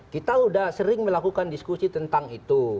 kita sudah sering melakukan diskusi tentang itu